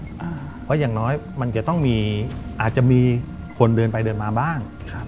เพราะอย่างน้อยมันจะต้องมีอาจจะมีคนเดินไปเดินมาบ้าง